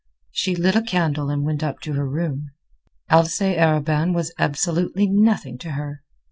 She lit a candle and went up to her room. Alcée Arobin was absolutely nothing to her.